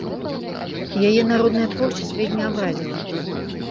Яе народная творчасць вельмі абразіла.